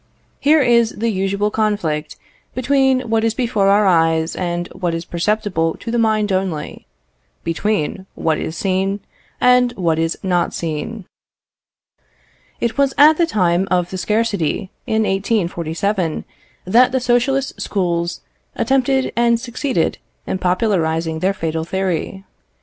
Here is the usual conflict between what is before our eyes and what is perceptible to the mind only; between what is seen and what is not seen. It was at the time of the scarcity, in 1847, that the Socialist schools attempted and succeeded in popularizing their fatal theory.